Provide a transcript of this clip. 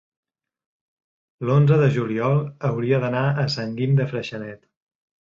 l'onze de juliol hauria d'anar a Sant Guim de Freixenet.